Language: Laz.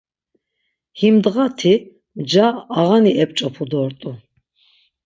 Him ndğati mca ağani ep̌ç̌opi dort̆u.